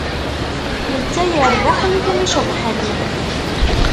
Netta yerbeḥ nitni ceḍḥen.